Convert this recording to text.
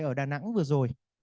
ở đà nẵng vừa rồi